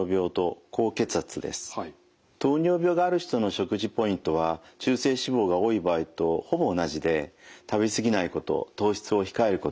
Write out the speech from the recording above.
糖尿病がある人の食事ポイントは中性脂肪が多い場合とほぼ同じで食べ過ぎないこと糖質を控えることです。